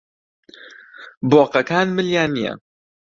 بۆقەکان ملیان نییە.